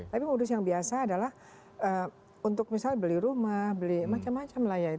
tapi modus yang biasa adalah untuk misal beli rumah beli macam macam lah ya